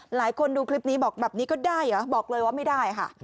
ดูคลิปนี้บอกแบบนี้ก็ได้เหรอบอกเลยว่าไม่ได้ค่ะ